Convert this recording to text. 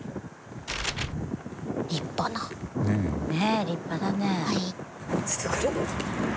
立派な。ねぇ立派だね。